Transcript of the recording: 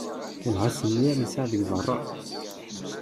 Welleh ass-nni ar nsiɣ deg berra!